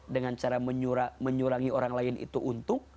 dengan cara menyurangi orang lain itu untung